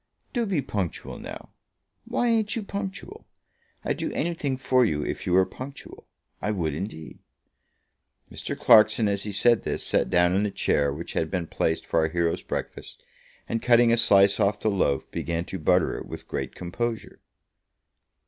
"Do be punctual now. Why ain't you punctual? I'd do anything for you if you were punctual. I would indeed." Mr. Clarkson, as he said this, sat down in the chair which had been placed for our hero's breakfast, and cutting a slice off the loaf, began to butter it with great composure.